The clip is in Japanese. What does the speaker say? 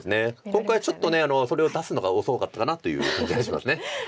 今回ちょっとそれを出すのが遅かったかなという感じがします。